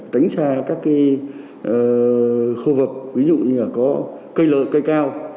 tránh xa các khu vực ví dụ như là có cây lợi cây cao